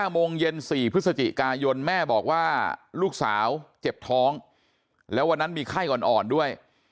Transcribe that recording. โมงเย็น๔พฤศจิกายนแม่บอกว่าลูกสาวเจ็บท้องแล้ววันนั้นมีไข้อ่อนด้วย